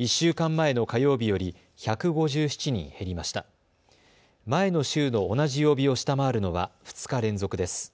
前の週の同じ曜日を下回るのは２日連続です。